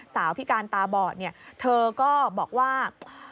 สาวพิการตาบอดเธอก็บอกว่า